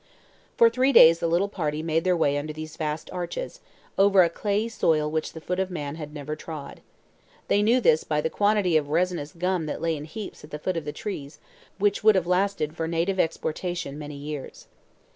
For three days the little party made their way under these vast arches, over a clayey soil which the foot of man had never trod. They knew this by the quantity of resinous gum that lay in heaps at the foot of the trees, and which would have lasted for native exportation many years.